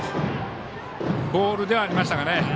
ボールではありましたがね。